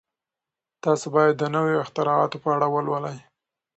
تاسي باید د نویو اختراعاتو په اړه ولولئ.